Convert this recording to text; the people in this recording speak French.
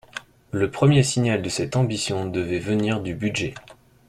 Le premier signal de cette ambition devait venir du budget.